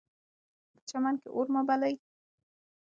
په چمن کې اور مه بلئ.